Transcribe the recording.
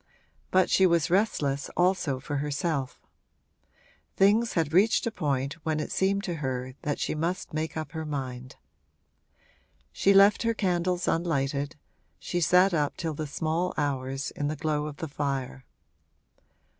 But she was restless also for herself: things had reached a point when it seemed to her that she must make up her mind. She left her candles unlighted she sat up till the small hours, in the glow of the fire.